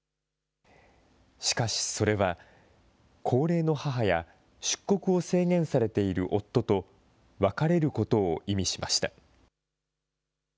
しかしそれは、高齢の母や出国を制限されている夫と別れることを意味しました。